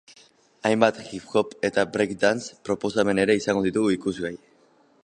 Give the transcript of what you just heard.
Hainbat hip-hop eta breakdance proposamen ere izango ditugu ikusgai.